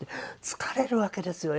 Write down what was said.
疲れるわけですよ